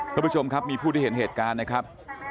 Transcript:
คุณผู้ชมครับมีผู้ที่เห็นเหตุการณ์นะครับ